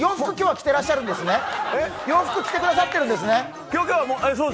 今日は洋服着てらっしゃるんですね。